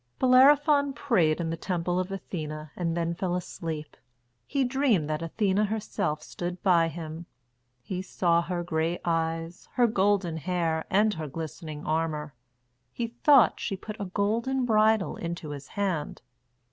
Bellerophon prayed in the temple of Athene and then fell asleep. He dreamed that Athene herself stood by him. He saw her grey eyes, her golden hair, and her glistening armour. He thought she put a golden bridle into his hand.